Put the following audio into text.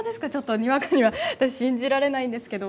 にわかには信じられないんですけども。